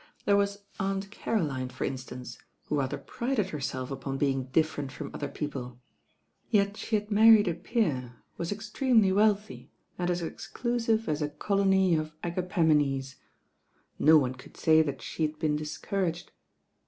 There was Aunt Caroline, for instance, who rather prided herself upon being different from other people; yet she had married a peer; was ex tremely wealthy, and as exclusive as a colony of Agapemones. No one could say that she had been discouraged.